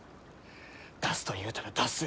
出すと言うたら出す。